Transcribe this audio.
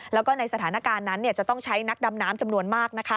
แล้วก็ในสถานการณ์นั้นจะต้องใช้นักดำน้ำจำนวนมาก